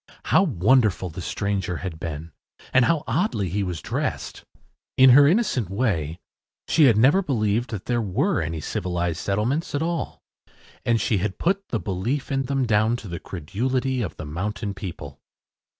How wonderful the stranger had been and how oddly he was dressed! In her innocent way she had never believed that there were any civilized settlements at all, and she had put the belief in them down to the credulity of the mountain people.